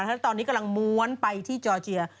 แล้วตอนนี้กำลังม้วนไปที่จอร์เจีย